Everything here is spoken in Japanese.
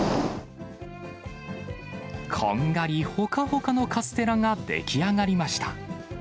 こんがりほかほかのカステラが出来上がりました。